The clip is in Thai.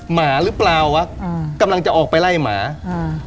หมาหรือเปล่าวะอ่ากำลังจะออกไปไล่หมาอ่า